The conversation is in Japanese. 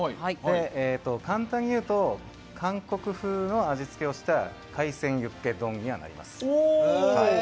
簡単に言うと韓国風の味付けをした海鮮ユッケ丼になります。